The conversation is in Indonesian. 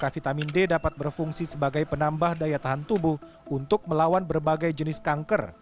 vitamin d dapat berfungsi sebagai penambah daya tahan tubuh untuk melawan berbagai jenis kanker